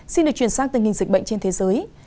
xin được chuyển sang tình hình dịch bệnh trên thế giới